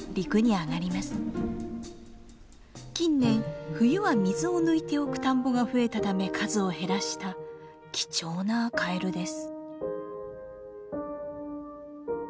近年冬は水を抜いておく田んぼが増えたため数を減らした貴重なカエルです。